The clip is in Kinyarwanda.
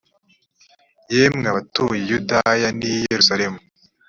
yemwe abatuye i buyuda n i yerusalemu